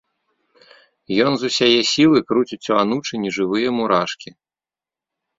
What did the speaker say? Ён з усяе сілы круціць у анучы нежывыя мурашкі.